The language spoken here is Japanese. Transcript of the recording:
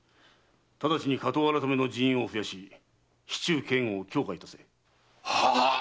ただちに火盗改の人員を増やし市中警護を強化いたせ。ははーっ！